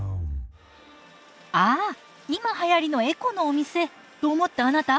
ああ今はやりのエコのお店と思ったあなた。